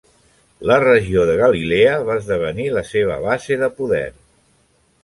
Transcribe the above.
La regió de Galilea va esdevenir la seva base de poder.